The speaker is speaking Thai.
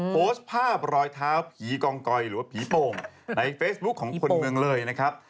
โพสต์ภาพรอยเท้าผีกองกอยหรือว่าผีโป่งในเฟซบุ๊คของคนเมืองเลยนะครับ